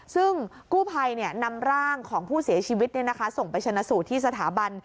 ซึ่งกู้ภัยนำร่างของผู้เสียชีวิตส่งไปชนะสูตรที่สถาบัน